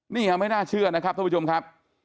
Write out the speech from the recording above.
นี่ยังไม่น่าเชื่อนะครับท่านผู้ชมครับ